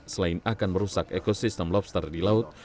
selain akan merusak ekosistem lobster di laut